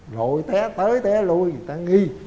rồi té tới té lùi người ta nghi